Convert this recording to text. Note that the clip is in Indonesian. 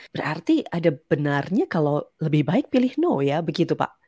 berarti ada benarnya kalau lebih baik pilih no ya begitu pak